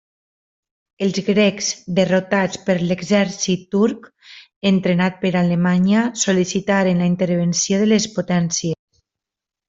Els grecs, derrotats per l'exèrcit turc entrenat per Alemanya, sol·licitaren la intervenció de les potències.